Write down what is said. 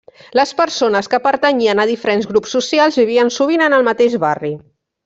Les persones que pertanyien a diferents grups socials vivien sovint en el mateix barri.